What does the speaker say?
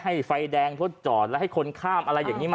ไฟแดงรถจอดแล้วให้คนข้ามอะไรอย่างนี้มา